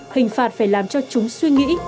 hình phạt phải làm cho chúng suy nghĩ